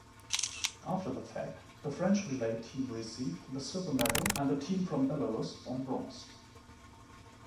After the fact, the French relay team received the silver medal and the team from Belarus won bronze.